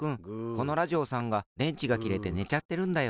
このラジオさんがでんちがきれてねちゃってるんだよ。